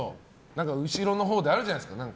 後ろのほうであるじゃないですか。